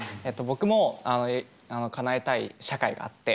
僕もかなえたい社会があって。